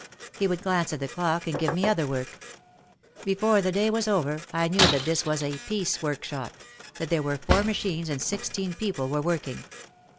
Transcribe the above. He would glance at the clock and give me other work. Before the day was over I knew that this was a "piece work shop," that there were four machines and sixteen people were working.